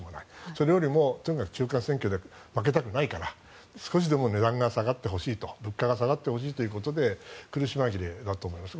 それよりもとにかく中間選挙で負けたくないから少しでも値段が下がってほしい物価が下がってほしいということで苦し紛れだと思います。